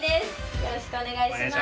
よろしくお願いします。